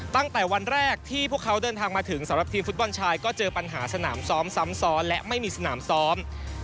ตั้งแต่วันแรกที่พวกเขาเดินทางมาถึงสำหรับทีมฟุตบอลชายก็เจอปัญหาสนามซ้อมซ้ำซ้อนและไม่มีสนามซ้อม